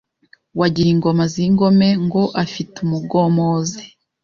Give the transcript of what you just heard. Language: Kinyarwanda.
Wagira ingoma z’ingome Ngo afite umugomozi